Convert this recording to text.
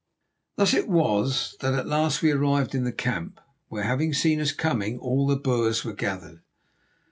Thus it was that at last we arrived in the camp, where, having seen us coming, all the Boers were gathered.